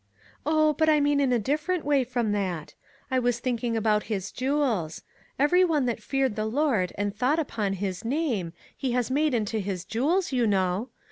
" Oh, but I mean in a different way from that. I was thinking about his jewels. ' Every one that feared the Lord and thought upon his name,' he made into his jewels, you know.